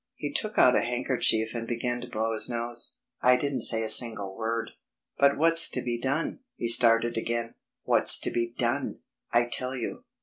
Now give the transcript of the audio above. He took out a handkerchief and began to blow his nose. I didn't say a single word. "But what's to be done?" he started again; "what's to be done.... I tell you....